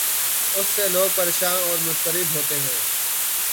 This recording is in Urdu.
اس سے لوگ پریشان اور مضطرب ہوتے ہیں۔